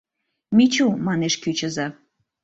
— Мичу, — манеш кӱчызӧ.